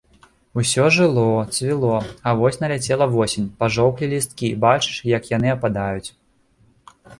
Усё жыло, цвіло, а вось наляцела восень, пажоўклі лісткі, бачыш, як яны ападаюць.